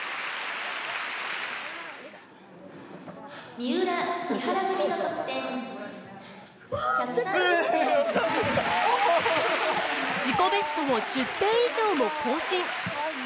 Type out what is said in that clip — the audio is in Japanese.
「三浦木原組の得点１３０．８３」自己ベストを１０点以上も更新。